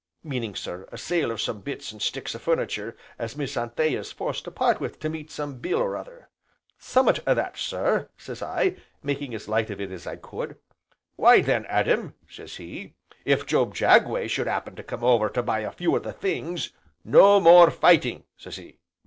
Meaning sir, a sale of some bits, an' sticks o' furnitur' as Miss Anthea's forced to part wi' to meet some bill or other. 'Summat o' that sir,' says I, making as light of it as I could. 'Why then, Adam,' sez he, 'if Job Jagway should 'appen to come over to buy a few o' the things, no more fighting!' sez he.